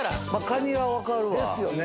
カニは分かるわ。